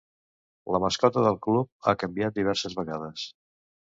La mascota del club ha canviat diverses vegades.